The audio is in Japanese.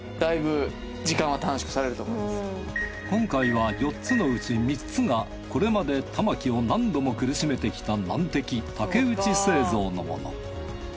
今回は４つのうち３つがこれまで玉置を何度も苦しめてきた難敵竹内製造のもの。